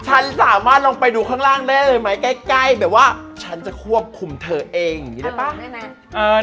ฉันสามารถลงไปดูข้างล่างได้เลยไหมใกล้แบบว่าฉันจะควบคุมเธอเองอย่างนี้ได้ป่ะ